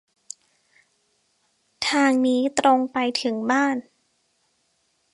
ทางนี้ตรงไปถึงบ้าน